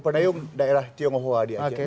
penayung daerah tionghoa di aceh